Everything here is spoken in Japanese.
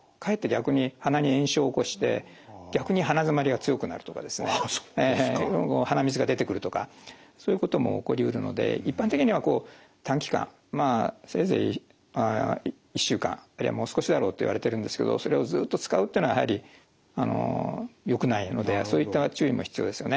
それ自体は別にいいんですけど使うと鼻の通りが一時的によくなるんですけど鼻水が出てくるとかそういうことも起こりうるので一般的にはこう短期間まあせいぜい１週間あるいはもう少しだろうといわれてるんですけどそれをずっと使うというのはやはりよくないのでそういった注意も必要ですよね。